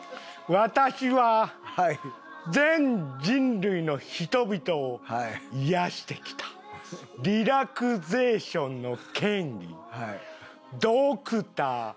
私は全人類の人々を癒やしてきたリラクゼーションの権威。